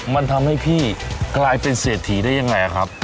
มันทำให้พี่กลายเป็นเศรษฐีได้ยังไงครับ